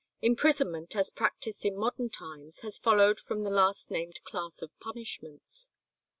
Imprisonment as practised in modern times has followed from the last named class of punishments.